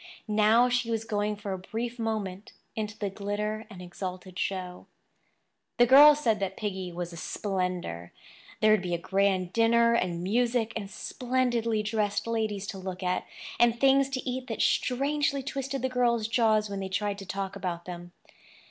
Now she was going for a brief moment into the glitter and exalted show. The girls said that Piggy was a "spender." There would be a grand dinner, and music, and splendidly dressed ladies to look at, and things to eat that strangely twisted the girls' jaws when they tried to tell about them.